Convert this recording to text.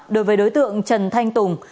đối với đối tượng trần thanh tùng